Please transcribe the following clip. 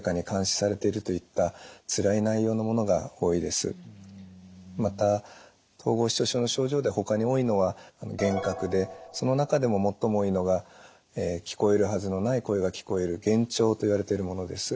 １６年前また統合失調症の症状でほかに多いのは幻覚でその中でも最も多いのが聞こえるはずのない声が聞こえる幻聴といわれてるものです。